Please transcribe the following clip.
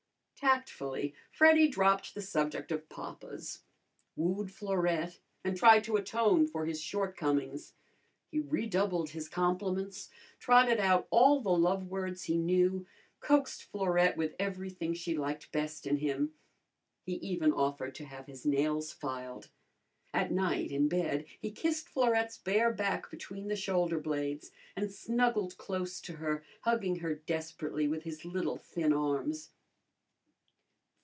Tactfully, Freddy dropped the subject of papas, wooed Florette, and tried to atone for his shortcomings. He redoubled his compliments, trotted out all the love words he knew, coaxed Florette with everything she liked best in him. He even offered to have his nails filed. At night, in bed, he kissed Florette's bare back between the shoulder blades, and snuggled close to her, hugging her desperately with his little thin arms.